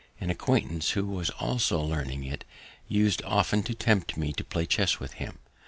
An acquaintance, who was also learning it, us'd often to tempt me to play chess with him.